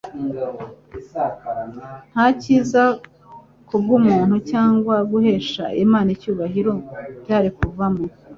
nta cyiza kubw'umuntu cyangwa guhesha Imana icyubahiro byari kuvamo